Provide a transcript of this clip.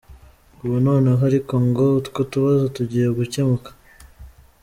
Ubu noneho ariko ngo “utwo tubazo tugiye gucyemuka.”